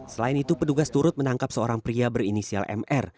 selain itu petugas turut menangkap seorang pria berinisial mr